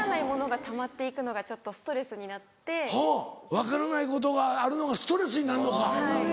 分からないことがあるのがストレスになんのか。